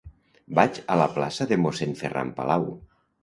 Vaig a la plaça de Mossèn Ferran Palau.